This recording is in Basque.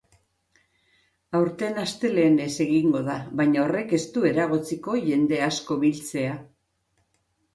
Aurten astelehenez egingo da, baina horrek ez du eragotziko jende asko biltzea.